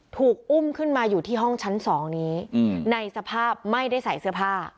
ถูกอุ้มขึ้นมาอยู่ที่ห้องชั้น๒นี้ในสภาพไม่ได้ใส่เสื้อผ้า